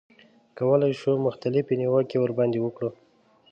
کولای شو مختلفې نیوکې ورباندې وکړو.